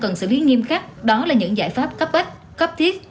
cần xử lý nghiêm khắc đó là những giải pháp cấp bách cấp thiết